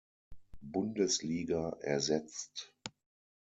Bundesliga ersetzt.